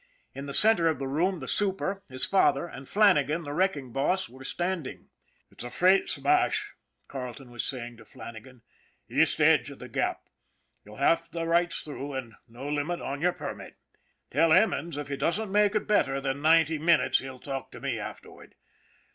In the center of the room, the super, his father, and Flannagan, the wrecking boss, were standing. " It's a freight smash," Carleton was saying to Flannagan " east edge of the Gap. You'll have rights through, and no limit on your permit. Tell Emmons if he doesn't make it in better than ninety minutes he'll talk to me afterward.